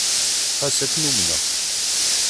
Xas akken, umneɣ-k.